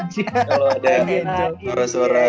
kalo ada suara suara